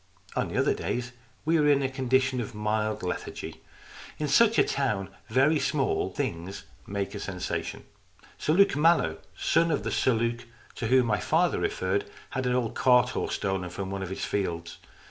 On the other days we were in a con dition of mild lethargy. In such a town very LOCRIS OF THE TOWER 205 small things make a sensation. Sir Luke Mallow, son of the Sir Luke to whom my father referred, had an old cart horse stolen from one of his fields.